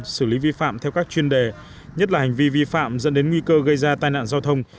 xử lý vi phạm theo các chuyên đề nhất là hành vi vi phạm dẫn đến nguy cơ gây ra tai nạn giao thông